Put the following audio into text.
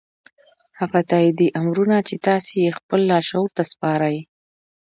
هغه تاييدي امرونه چې تاسې يې خپل لاشعور ته سپارئ.